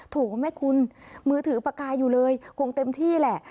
ถูกไหมคุณมือถือปากกายอยู่เลยคงเต็มที่แหละ